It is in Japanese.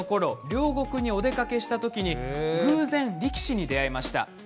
両国にお出かけした時に偶然、力士に出会いました。